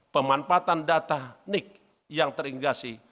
pemanfaatan data nic yang teringgasi